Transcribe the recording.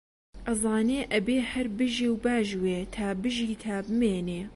ئەزانێ ئەبێ هەر بژێ و باژوێ، تا بژی تا بمێنێ